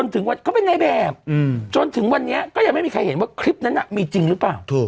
ถึงวันเขาเป็นในแบบจนถึงวันนี้ก็ยังไม่มีใครเห็นว่าคลิปนั้นมีจริงหรือเปล่า